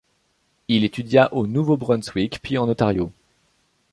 Il étudia au Nouveau-Brunswick puis en Ontario.